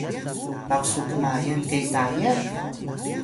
baq su kmayal ke Tayal?